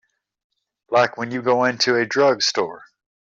Like when you go into a drugstore.